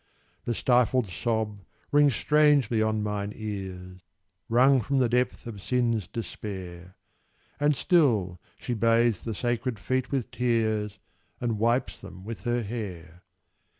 The stifled sob rings strangely on mine ears, Wrung from the depth of sin's despair: And still she bathes the sacred feet with tears, And wipes them with her hair.